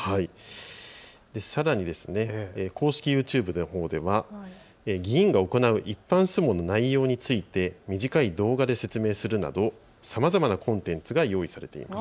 さらに公式ＹｏｕＴｕｂｅのほうでは議員が行う一般質問の内容について短い動画で説明するなどさまざまなコンテンツが用意されています。